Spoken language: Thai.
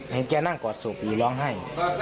เห็นแกนั่งกอดศพอยู่ร้องไห้